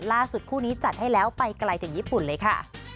คู่นี้จัดให้แล้วไปไกลถึงญี่ปุ่นเลยค่ะ